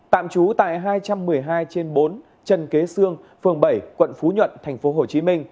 tạm trú tại hai trăm một mươi hai trên bốn trần kế sương phường bảy quận phú nhuận tp hcm